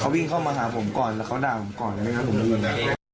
เขายิงเข้ามาหาผมก่อนเลยเขาด่าผมก่อนเลยอะไม่งั้นผมยิง